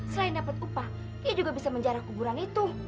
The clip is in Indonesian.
selain dapat upah ia juga bisa menjarah kuburan itu